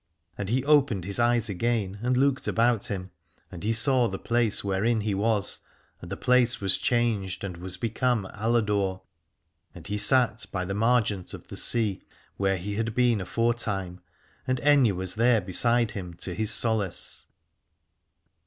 And he opened his eyes again and looked about him, and he saw the place wherein he was : and the place was changed and was become Aladore, and he sat by the margent of the sea, where he had been aforetime, and Aithne was there beside him to his solace.